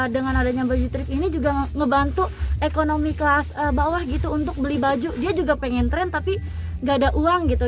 dengan adanya baju trip ini juga ngebantu ekonomi kelas bawah gitu untuk beli baju dia juga pengen tren tapi gak ada uang gitu